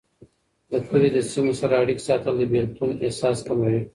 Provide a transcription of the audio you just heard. د کلي د سیمو سره اړيکې ساتل، د بیلتون احساس کموي.